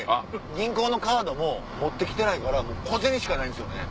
銀行のカードも持って来てないから小銭しかないんですよね。